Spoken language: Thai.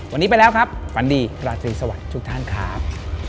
วันนี้ไปแล้วครับฝันดีราตรีสวัสดีทุกท่านครับ